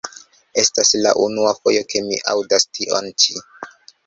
Estas la unua fojo ke mi aŭdas tion ĉi.